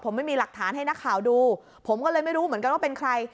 ผมไม่มีหลักฐานให้นักข่าวดูผมก็เลยไม่รู้เหมือนกันว่าเป็นใคร